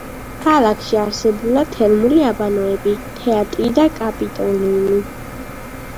ქალაქში არსებულა თერმული აბანოები, თეატრი და კაპიტოლიუმი.